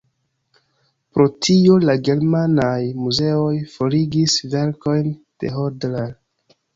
Pro tio la germanaj muzeoj forigis verkojn de Hodler.